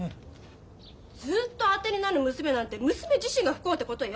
ずっと当てになる娘なんて娘自身が不幸ってことよ。